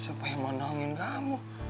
siapa yang mau mandangin kamu